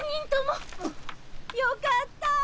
よかった！